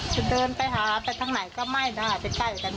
จะเดินไปหาไปทั้งไหนก็ไม่ได้